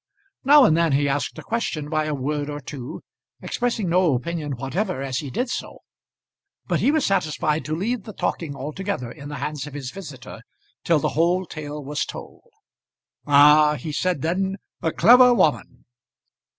Now and then he asked a question by a word or two, expressing no opinion whatever as he did so; but he was satisfied to leave the talking altogether in the hands of his visitor till the whole tale was told. "Ah," he said then, "a clever woman!"